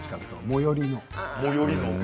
最寄りの。